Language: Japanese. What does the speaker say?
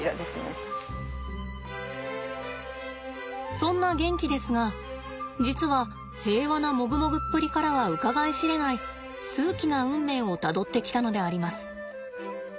そんなゲンキですが実は平和なモグモグっぷりからはうかがい知れない数奇な運命をたどってきたのであります。